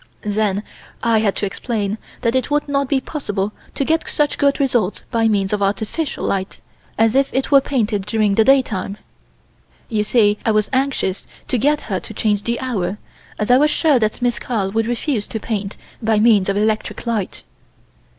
Then I had to explain that it would not be possible to get such good results by means of artificial light as if it were painted during the daytime. You see I was anxious to get her to change the hour, as I was sure that Miss Carl would refuse to paint by means of electric light.